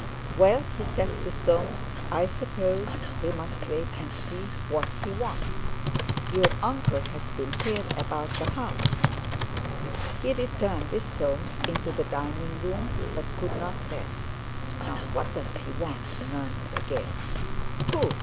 "Well," he said to Soames, "I suppose we must wait and see what he wants. Your uncle's been here about the house!" He returned with Soames into the dining room, but could not rest. "Now what does he want?" he murmured again. "Who?"